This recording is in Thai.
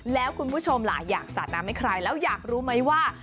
แล้วคุณผู้ชมล่ะอยากสาดน้ำให้ใครแล้วอยากรู้ไหมว่า